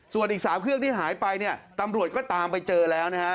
ส่วนอีก๓เครื่องที่หายไปเนี่ยตำรวจก็ตามไปเจอแล้วนะฮะ